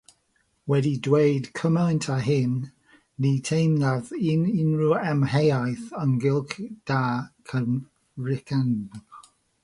Wedi dweud cymaint â hyn, ni theimlaf unrhyw amheuaeth ynghylch dy gyfrinachedd di.